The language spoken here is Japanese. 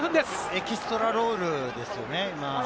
エキストラロールですよね、今。